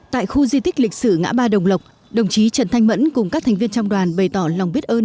tại khu di tích lịch sử ngã ba đồng lộc đồng chí trần thanh mẫn cùng các thành viên trong đoàn bày tỏ lòng biết ơn